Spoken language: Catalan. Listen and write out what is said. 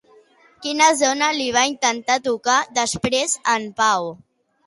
Quina zona li va intentar tocar després en Pau?